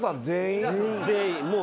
全員です。